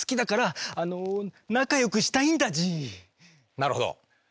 なるほど。